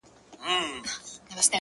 سترې لاسته راوړنې دوام غواړي!